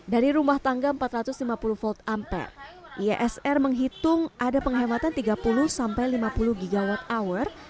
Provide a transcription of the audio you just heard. dari rumah tangga empat ratus lima puluh volt ampere isr menghitung ada penghematan tiga puluh sampai lima puluh gigawatt hour